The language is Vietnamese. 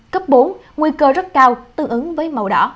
cấp bốn nguy cơ rất cao tương ứng với màu đỏ